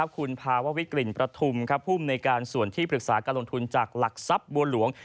คุณภาววิกลิ่นประทุมภูมิในการส่วนที่ปรึกษาการลงทุนจากหลักทรัพย์บัวหลวง